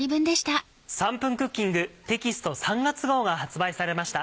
『３分クッキング』テキスト３月号が発売されました。